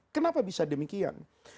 kenapa bisa demikian